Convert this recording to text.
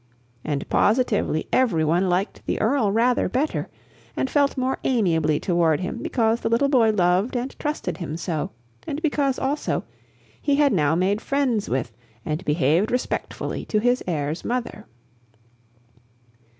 And positively every one liked the Earl rather better, and felt more amiably toward him because the little boy loved and trusted him so, and because, also, he had now made friends with and behaved respectfully to his heir's mother.